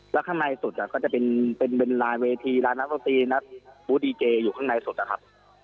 แล้วข้างในสุดก็จะเป็นลานเวทีร้านนักดนตรีนักบูธดีเจอยู่ข้างในสุดนะครับ